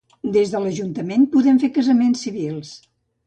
Des de l'ajuntament podem fer casaments civils.